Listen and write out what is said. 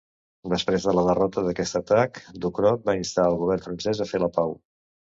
Després de la derrota d'aquest atac, Ducrot va instar el govern francès a fer la pau.